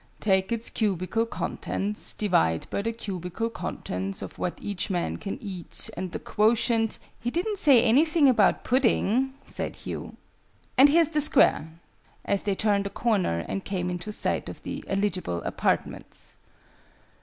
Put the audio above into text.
"Take its cubical contents, divide by the cubical contents of what each man can eat, and the quotient " "He didn't say anything about pudding," said Hugh, " and here's the Square," as they turned a corner and came into sight of the "eligible apartments."